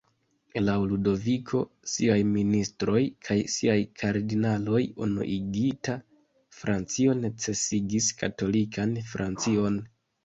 Laŭ Ludoviko, siaj ministroj kaj siaj kardinaloj, unuigita Francio necesigis katolikan Francion.